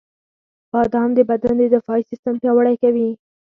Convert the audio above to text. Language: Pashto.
• بادام د بدن د دفاعي سیستم پیاوړی کوي.